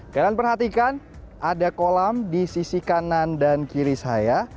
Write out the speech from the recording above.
kalian perhatikan ada kolam di sisi kanan dan kiri saya